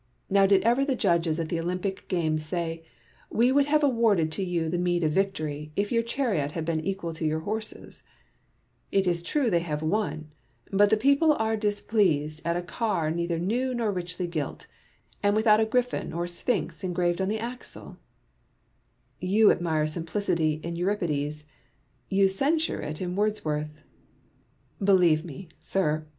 Now did ever the judges at the Olympic games say, " We would have awarded to you the meed of victory, if your chariot had been equal to your horses : it is true they have won j but the people are displeased at a car neither new nor richly gilt, and without a gryphon or sphinx engraved on the axle 1 " You admire simplicity in Euripides ; you censure it in Wordsworth : believe me, sir. ABBE DELILLE AND WALTER LANDOR.